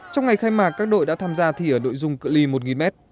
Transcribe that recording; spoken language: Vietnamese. trong ngày khai mạc các đội đã tham gia thi ở nội dung cự li một m